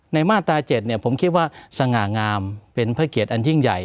ในมาตรา๗ผมคิดว่าสง่างามเป็นภเกตอันหญิงใหญ่